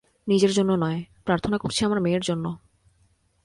নিজের জন্য নয়, প্রার্থনা করছি আমার মেয়ের জন্য।